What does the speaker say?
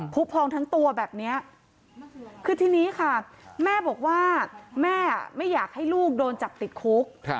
ผู้พองทั้งตัวแบบนี้คือทีนี้ค่ะแม่บอกว่าแม่ไม่อยากให้ลูกโดนจับติดคุก